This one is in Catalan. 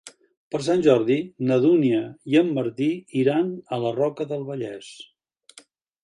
Per Sant Jordi na Dúnia i en Martí iran a la Roca del Vallès.